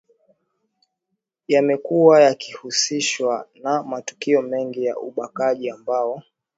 yamekuwa yakihusishwa na matukio mengi ya ubakaji ambao